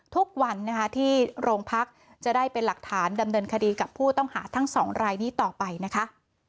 ทุกวันนะคะที่โรงพักจะได้เป็นหลักฐานดำเนินคดีกับผู้ต้องหาทั้งสองรายนี้ต่อไปนะคะ